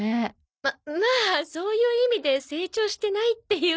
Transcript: ままあそういう意味で成長してないっていうか。